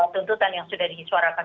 tuntutan yang sudah disuarakan